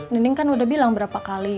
nining kan udah bilang berapa kali